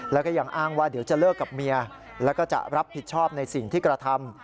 แล้วก็ยังอ้างว่าเดี๋ยวจะเลิกกับเมียแล้วก็จะรับผิดชอบในสิ่งที่กระทำ